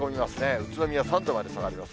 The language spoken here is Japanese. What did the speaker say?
宇都宮３度まで下がります。